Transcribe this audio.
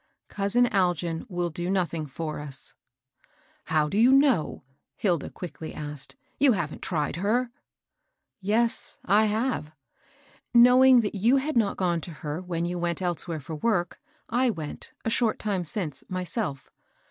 " Cousin Algin will do nothing for us." " How do you know ?" Hilda quickly asked. " You haven't tried her ?"" Yes, I have. Knowing that you had not gone to her when you went elsewhere for work, I went, a short time since, myself.